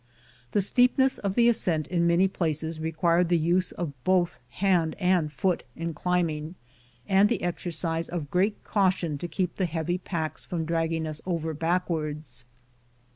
The steepness of the ascent in many places required the use of both hand and foot in climbing, and the exercise of great caution to keep the heavy packs from dragging us over backwards.